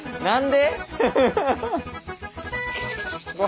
何で？